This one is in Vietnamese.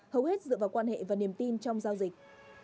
hầu hết dựa vào quan hệ và niềm tin trong giao dịch